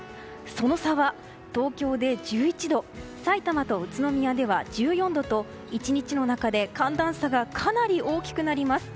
その差は東京で１１度さいたまと宇都宮では１４度と１日の中で寒暖差がかなり大きくなります。